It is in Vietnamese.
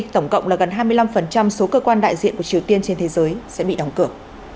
tổng cộng là gần hai mươi năm số cơ quan đại diện của triều tiên trên thế giới sẽ bị đóng cửa